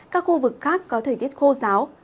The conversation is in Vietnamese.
các khu vực khác có thời tiết khô ráo